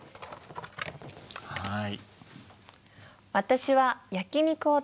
はい。